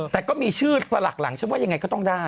แต่ก็มีชื่อสลักหลังฉันว่ายังไงก็ต้องได้